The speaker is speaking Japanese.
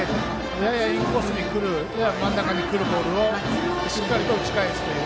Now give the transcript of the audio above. やや、インコースにくるやや、真ん中にくるボールをしっかりと打ち返すという。